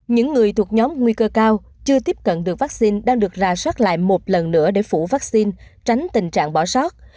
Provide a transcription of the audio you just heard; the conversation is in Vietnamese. những người thuộc nhóm nguy cơ cao chưa tiếp cận được vaccine đang được rà soát lại một lần nữa để phủ vaccine tránh tình trạng bỏ sót